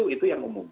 itu yang umum